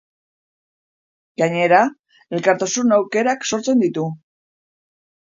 Gainera, elkartasun aukerak sortzen ditu.